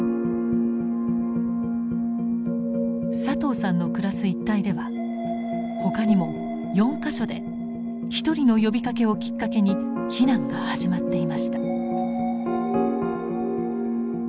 佐藤さんの暮らす一帯ではほかにも４か所で一人の呼びかけをきっかけに避難が始まっていました。